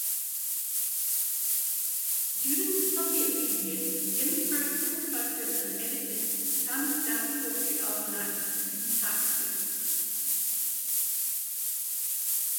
During the Soviet period, Ginzburg cofounded and edited the samizdat poetry almanac "Sintaksis".